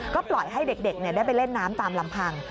ก็ปล่อยให้เด็กได้ไปเล่นน้ำตามลำพัง